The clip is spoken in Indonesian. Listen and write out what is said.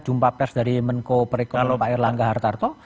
jumpa pers dari menko perekonom air langga hartarto